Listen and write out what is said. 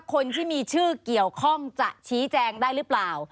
คนที่มีชื่อเกี่ยวข้องจะชี้แจงได้หรือเปล่า